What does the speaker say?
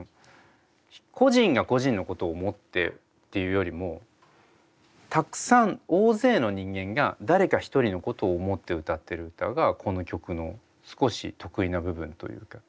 個人が個人のことを思ってっていうよりもたくさん大勢の人間が誰か一人のことを思って歌ってる歌がこの曲の少し特異な部分というか。